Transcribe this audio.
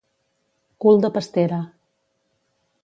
Cul de pastera.